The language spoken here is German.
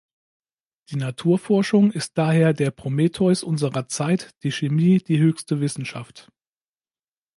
Die Naturforschung ist daher der Prometheus unserer Zeit, die Chemie die höchste Wissenschaft.